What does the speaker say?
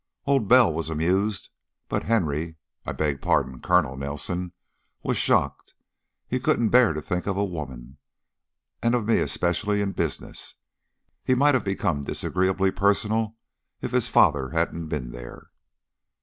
Old Bell was amused, but Henry I beg pardon, Colonel Nelson was shocked. He couldn't bear to think of women, and of me especially, in business. He might have become disagreeably personal if his father hadn't been there."